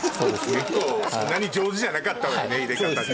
結構そんなに上手じゃなかったわよね入れ方ね。